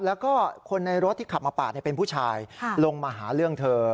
แล้วก็คนในรถที่ขับมาปาดเป็นผู้ชายลงมาหาเรื่องเธอ